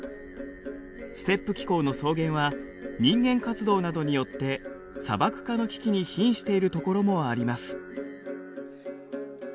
ステップ気候の草原は人間活動などによって砂漠化の危機にひんしているところもあります。